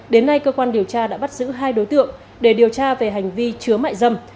đến nay cơ quan điều tra đã bắt giữ hai đối tượng để điều tra về hành vi chứa mại dâm